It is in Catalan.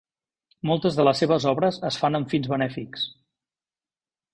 Moltes de les seves obres es fan amb fins benèfics.